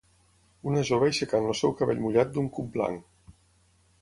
una jove aixecant el seu cabell mullat d'un cub blanc